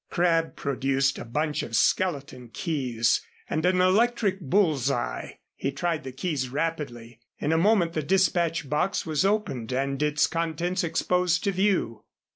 Crabb produced a bunch of skeleton keys and an electric bull's eye. He tried the keys rapidly. In a moment the dispatch box was opened and its contents exposed to view.